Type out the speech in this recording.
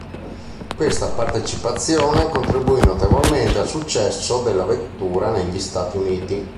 Questa "partecipazione" contribuì notevolmente al successo della vettura negli Stati Uniti.